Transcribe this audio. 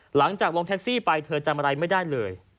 หลังจากลงแท็กซี่ไปเธอจำอะไรไม่ได้เลย